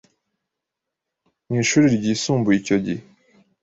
mu ishuri ryisumbuye icyo gihe